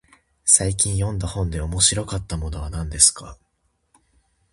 最近読んだ本で面白かったものは何ですか。